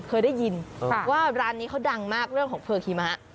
เคยได้ยินว่าร้านนี้เขาดังมากเรื่องของเพอร์หิมะ